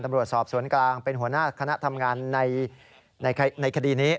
ตำรวจสอบสวนกลางเป็นหัวหน้าคณะทำงานในคดีนี้